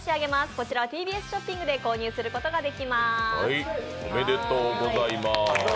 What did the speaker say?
こちらはＴＢＳショッピングで購入することができます。